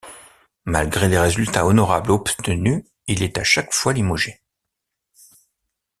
Malgré les résultats honorables obtenus, il est à chaque fois limogé.